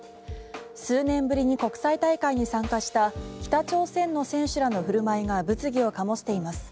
数年ぶりに国際大会に参加した北朝鮮の選手らの振る舞いが物議を醸しています。